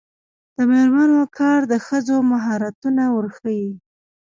د میرمنو کار د ښځو مهارتونه ورښيي.